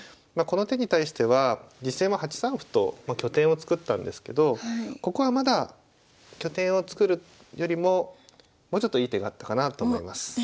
この手に対しては実戦は８三歩と拠点を作ったんですけどここはまだ拠点を作るよりももうちょっといい手があったかなと思います。